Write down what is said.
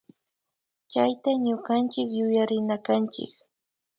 Chayta ñukanchik yuyarinakanchik